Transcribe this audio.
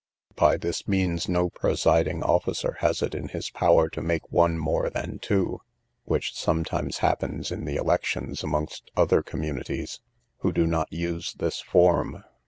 By this means no presiding officer has it in his power to make one more than two, which sometimes happens in the elections amongst other communities, who do not use this form.